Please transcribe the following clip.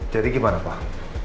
jadi gimana pak